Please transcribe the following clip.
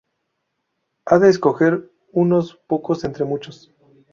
Ha de escoger unos pocos entre muchos.